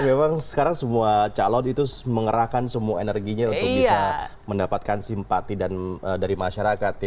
memang sekarang semua calon itu mengerahkan semua energinya untuk bisa mendapatkan simpati dari masyarakat